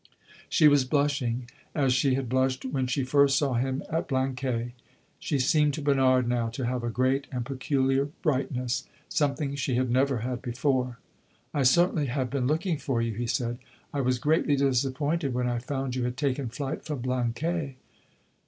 She was blushing as she had blushed when she first saw him at Blanquais. She seemed to Bernard now to have a great and peculiar brightness something she had never had before. "I certainly have been looking for you," he said. "I was greatly disappointed when I found you had taken flight from Blanquais."